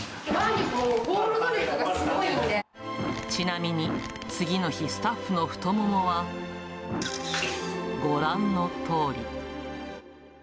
腕力が、ちなみに、次の日、スタッフの太ももはご覧のとおり。